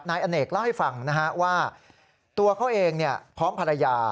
นายอเนกเล่าให้ฟังนะฮะว่าตัวเขาเองพร้อมภรรยา